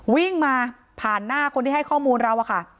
วิ่งมาผ่านหน้าคนที่ให้ข้อมูลเราอะค่ะ